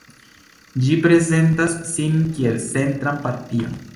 Ĝi prezentas sin kiel centran partion.